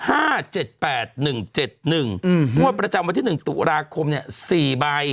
อืมฮะประจำวันที่หนึ่งศุราคมเนี่ย๔ใบ